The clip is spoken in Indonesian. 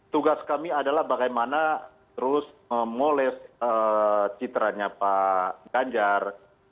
tugas kami adalah bagaimana terus mengoles citranya pak ganjar